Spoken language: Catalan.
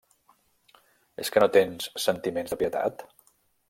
És que no tens sentiments de pietat?